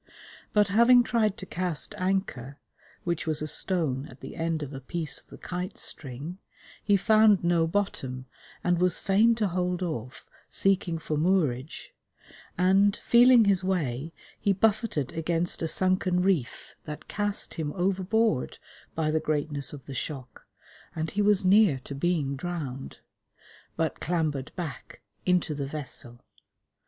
But having tried to cast anchor, which was a stone at the end of a piece of the kite string, he found no bottom, and was fain to hold off, seeking for moorage, and, feeling his way, he buffeted against a sunken reef that cast him overboard by the greatness of the shock, and he was near to being drowned, but clambered back into the vessel.